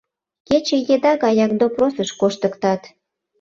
Кече еда гаяк допросыш коштыктат.